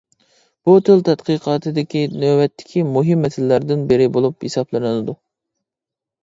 بۇ تىل تەتقىقاتىدىكى نۆۋەتتىكى مۇھىم مەسىلىلەردىن بىرى بولۇپ ھېسابلىنىدۇ.